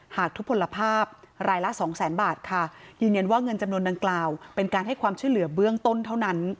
หากทุกผลภาพรายละสองแสนบาทค่ะยืนยันว่าเงินจำนวนดังกล่าวเป็นการให้ความช่วยเหลือเบื้องต้นเท่านั้น